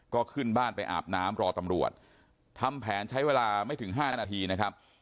ก็ขึ้นบ้านไปอาบน้ำรอตำรวจทำแผนใช้เวลาไม่ถึง๕นาทีนะครับ